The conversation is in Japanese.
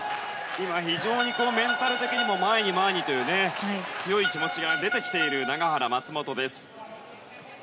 非常にメンタル的にも前に前にという強い気持ちが出てきている永原、松本です。